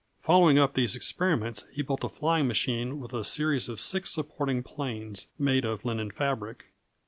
Following up these experiments, he built a flying machine with a series of six supporting planes made of linen fabric.